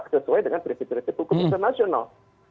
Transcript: sesuai dengan prinsip prinsip hukum internasional